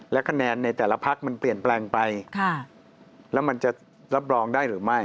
และคะแนนในแต่ละพักมันเปลี่ยนแปลงไปแล้วมันจะรับรองได้หรือไม่